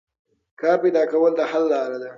کار پیدا کول د حل لار ده.